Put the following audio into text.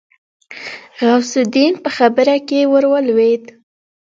غوث الدين په خبره کې ورولوېد.